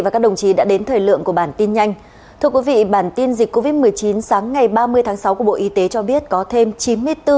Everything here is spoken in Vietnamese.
cảm ơn các bạn đã theo dõi